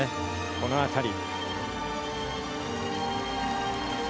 この辺り。